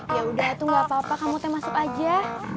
yaudah tuh gapapa kamu masuk aja